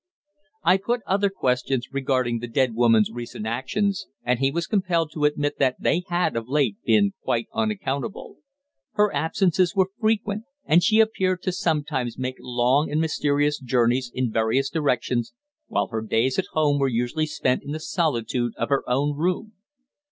I put other questions regarding the dead woman's recent actions, and he was compelled to admit that they had, of late, been quite unaccountable. Her absences were frequent, and she appeared to sometimes make long and mysterious journeys in various directions, while her days at home were usually spent in the solitude of her own room.